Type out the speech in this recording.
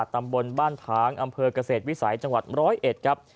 ตำบลบ้านผางอำเภอกเกษตรวิสัยจังหวัด๑๐๑ครับ